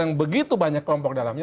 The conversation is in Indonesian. yang begitu banyak kelompok dalamnya